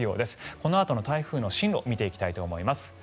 このあとの台風の進路を見ていきたいと思います。